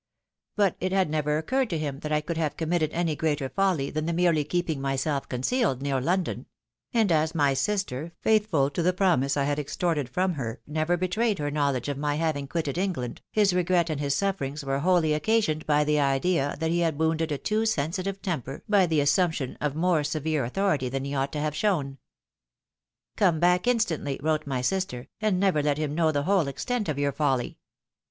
But it had never occurred to him that I could have committed any greater folly than the merely keeping myself concealed near London ; and as my sister, faithfnl to the promise I had extorted from her, never betrayed her knowledge of my having quitted England, his regret and his sufferings were wholly occasioned by the idea that he had wounded a too sensitive temper by the assumption of more severe authority than he ought to have shown. ' Come back instantly,' wrote my sister, ' and never let him know the whole extent of yom' folly.'